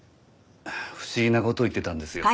不思議な事を言ってたんですよ。